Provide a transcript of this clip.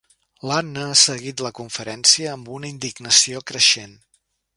L'Anna ha seguit la conferència amb una indignació creixent.